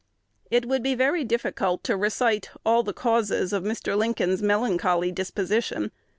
It would be very difficult to recite all the causes of Mr. Lincoln's melancholy disposition.